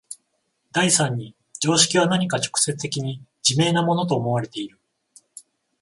第三に常識は何か直接的に自明なものと思われている。